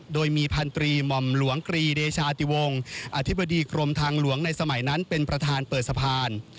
โดยมีพันตรีหม่อมหลวงกรีเดชาติวงศ์อธิบดีกรมทางหลวงในสมัยนั้นเป็นประธานเปิดสะพาน